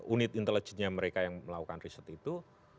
unit intelijennya mereka yang melakukan riset itu